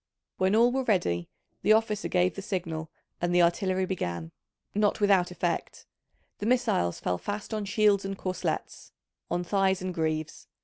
When all were ready, the officer gave the signal and the artillery began, not without effect: the missiles fell fast on shields and corslets, on thighs and greaves.